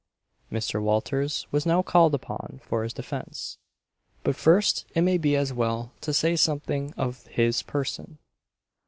Mr. Walters was now called upon for his defence. But first it may be as well to say something of his person.